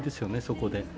そこで。